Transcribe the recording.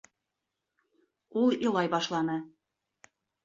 Ул илай башланы.